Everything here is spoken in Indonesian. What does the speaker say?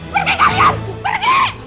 pergi kalian pergi